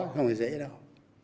không phải dễ đâu